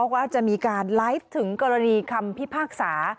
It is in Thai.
ว่าจะมีการไลฟ์ถึงกรณีคำพิพากษา